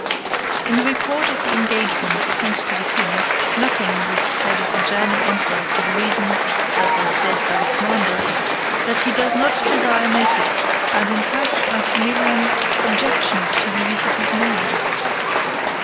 In the report of the engagement sent to the king, nothing was said of the German emperor for the reason, as was said by the commander, "that he does not desire notice, and, in fact, Maximilian objections to the use of his name."